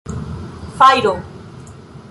Fajro!